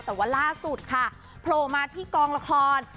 แต่ว่าล่าสุดค่ะโผล่มาที่กองละคร